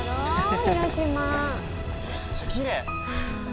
めっちゃきれい！